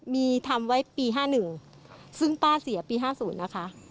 มีทำไว้ปี๕๑ซึ่งป้าเสียปี๕๐นะคะ